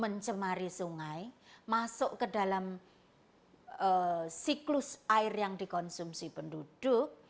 mencemari sungai masuk ke dalam siklus air yang dikonsumsi penduduk